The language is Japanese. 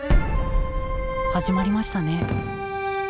始まりましたね。